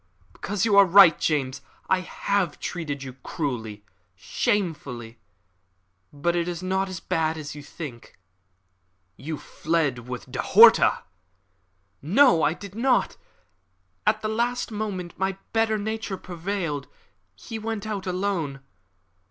"Because you are right, James. I have treated you cruelly shamefully. But it is not as bad as you think." "You fled with De Horta." "No, I did not. At the last moment my better nature prevailed. He went alone.